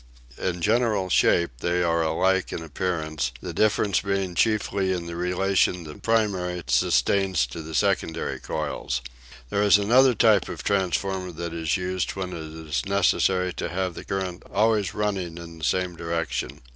In general shape they are alike in appearance, the difference being chiefly in the relation the primary sustains to the secondary coils. There is another kind of transformer that is used when it is necessary to have the current always running in the same direction.